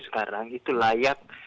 sekarang itu layak